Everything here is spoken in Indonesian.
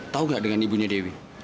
tahu nggak dengan ibunya dewi